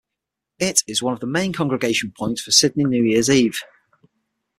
It is one of the main congregation points for Sydney New Year's Eve.